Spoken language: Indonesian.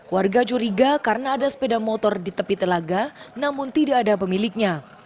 warga curiga karena ada sepeda motor di tepi telaga namun tidak ada pemiliknya